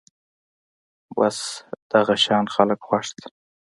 بس دغه شان خلک خوښ دي